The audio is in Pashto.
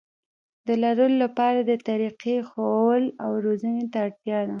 د لرلو لپاره د طريقې خوښولو او روزنې ته اړتيا ده.